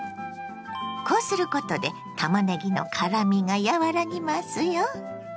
こうすることでたまねぎの辛みが和らぎますよ。